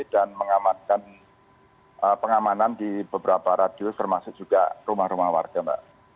mengamankan pengamanan di beberapa radius termasuk juga rumah rumah warga mbak